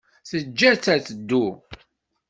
Teǧǧa-tt ad teddu.